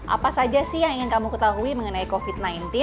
apa saja sih yang ingin kamu ketahui mengenai covid sembilan belas